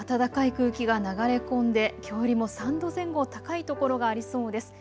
暖かい空気が流れ込んできょうよりも３度前後高い所がありそうです。